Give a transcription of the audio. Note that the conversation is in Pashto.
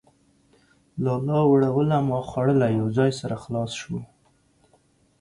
لالا وړوله ما خوړله ،. يو ځاى سره خلاص سولو.